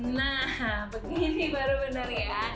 nah begini baru benar ya